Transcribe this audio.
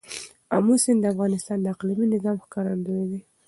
آمو سیند د افغانستان د اقلیمي نظام ښکارندوی دی.